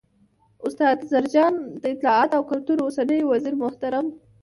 ، استاد زرجان، د اطلاعات او کلتور اوسنی وزیرمحترم